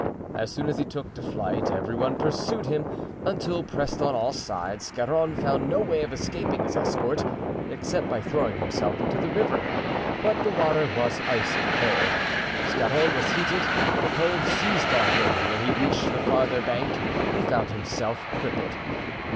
As soon as he took to flight every one pursued him, until, pressed on all sides, Scarron found no way of escaping his escort, except by throwing himself into the river; but the water was icy cold. Scarron was heated, the cold seized on him, and when he reached the farther bank he found himself crippled.